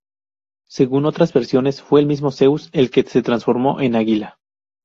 Según otras versiones, fue el mismo Zeus el que se transformó en águila.